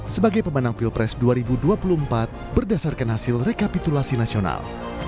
sebagai pemenang pilpres dua ribu dua puluh empat berdasarkan hasil rekapitulasi nasional